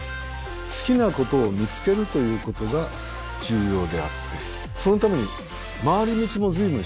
好きなことを見つけるということが重要であってそのために回り道も随分しました。